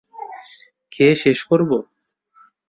খেয়ে শেষ করবো?